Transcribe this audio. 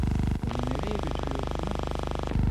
Onu nereye götürüyorsunuz?